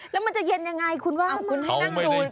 แล้วมันจะเย็นยังไงคุณว่า